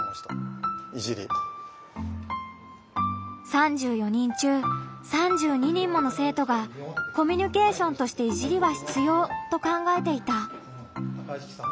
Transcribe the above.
３４人中３２人もの生徒が「コミュニケーションとしていじりは必要」と考えていた。